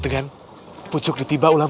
jangan main main lukman